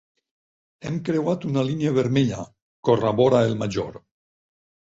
Hem creuat una línia vermella —corrobora el Major.